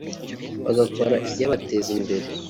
bagakora ibyabateza imbere